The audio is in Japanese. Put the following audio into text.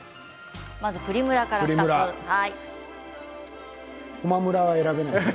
まずプリムラからです。